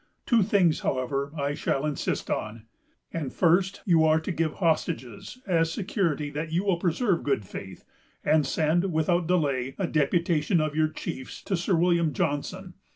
Two things, however, I shall insist on. And, first, you are to give hostages, as security that you will preserve good faith, and send, without delay, a deputation of your chiefs to Sir William Johnson.